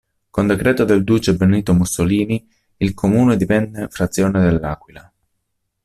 Con decreto del duce Benito Mussolini il comune divenne frazione dell'Aquila.